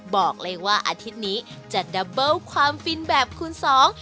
บอกเลยว่าอาทิตย์นี้จะดับเบิ้ลความฟินแบบคูณสอง